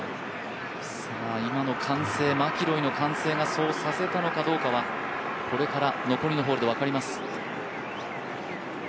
今のマキロイの歓声がそうさせたのかどうかはこれから残りのホールで分かります。